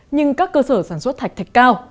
nhưng các cơ sở sản xuất thạch thạch cao